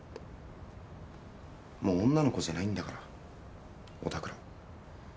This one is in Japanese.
もう女の子じゃないんだから、おたくら。